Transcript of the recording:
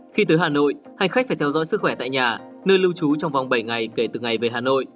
khi tới hà nội hành khách phải theo dõi sức khỏe tại nhà nơi lưu trú trong vòng bảy ngày kể từ ngày về hà nội